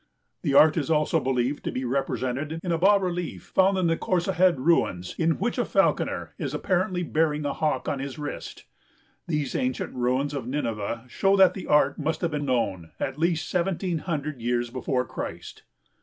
The art is also believed to be represented in a bas relief found in the Khorsahad ruins in which a falconer is apparently bearing a hawk on his wrist. Thus these ancient ruins of Nineveh show that the art must have been known at least seventeen hundred years before Christ.